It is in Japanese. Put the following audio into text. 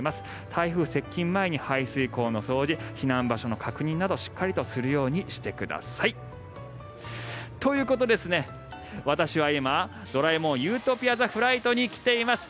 台風接近前に排水溝の掃除避難場所の確認などしっかりするようにしてください。ということで私は今「ドラえもん理想郷ザ・フライト」に来ています。